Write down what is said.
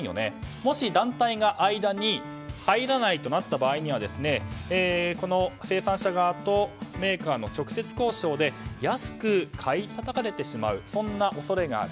もし団体が間に入らないとなった場合には生産者側とメーカーの直接交渉で安く買いたたかれてしまうそんな恐れがある。